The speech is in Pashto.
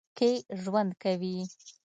کښې ژؤند کوي